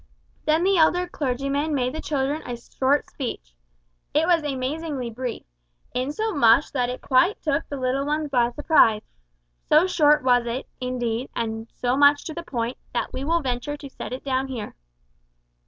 Then the elder clergyman made the children a short speech. It was amazingly brief, insomuch that it quite took the little ones by surprise so short was it, indeed and so much to the point, that we will venture to set it down here.